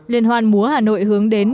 liên hoan múa hà nội hướng đến